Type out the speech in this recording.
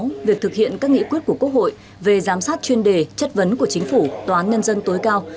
về việc thực hiện các nghị quyết của quốc hội về giám sát chuyên đề chất vấn của chính phủ toán nhân dân tối cao